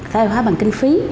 xã hội hóa bằng kinh phí